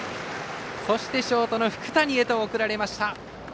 そして、ショートの福谷へと送られました。